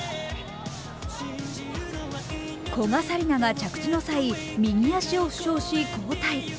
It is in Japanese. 古賀紗理那が着地の際右足を負傷し交代。